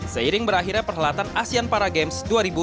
seiring berakhirnya perhelatan asean para games dua ribu delapan belas